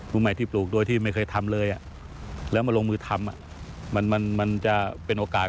มื้อใหม่ที่ปลูกโดยที่ไม่เคยทำเลย